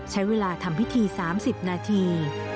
ใช้เวลาทำพิธี๓๐นาที